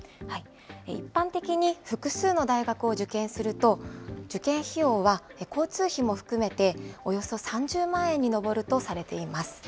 一般的に複数の大学を受験すると、受験費用は交通費も含めておよそ３０万円に上るとされています。